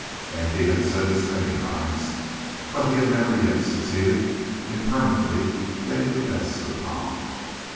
Andy had said this many times, but he had never yet succeeded in permanently getting the best of Tom.